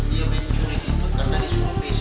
yang mencuri itu karena disuruh pc